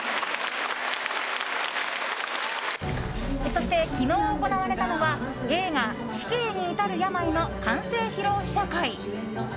そして昨日行われたのは映画「死刑にいたる病」の完成披露試写会。